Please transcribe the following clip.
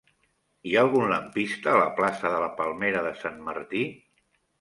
Hi ha algun lampista a la plaça de la Palmera de Sant Martí?